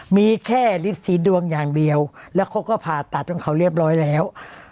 มีแค่ฤทธิดวงอย่างเดียวแล้วเขาก็ผ่าตัดของเขาเรียบร้อยแล้ว